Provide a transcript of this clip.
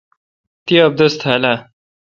تی ابدس تھال اہ؟